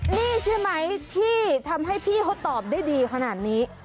นี่ใช่ไหมที่ทำให้พี่เขาตอบได้ดีขนาดนี้